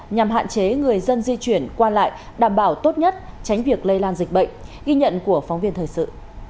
nhằm hạn chế người dân di chuyển qua lại đảm bảo tốt nhất tránh việc lây lan dịch bệnh ghi nhận của phóng viên thời sự